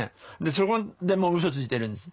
そこでもうウソついてるんです。